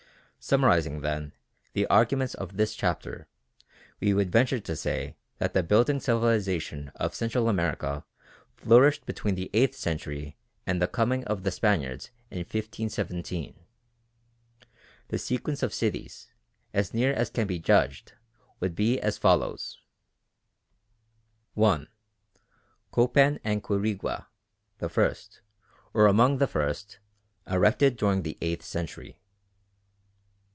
Summarising, then, the arguments of this chapter, we would venture to say that the building civilisation of Central America flourished between the eighth century and the coming of the Spaniards in 1517. The sequence of cities, as near as can be judged, would be as follows: 1. Copan and Quirigua, the first, or among the first, erected during the eighth century.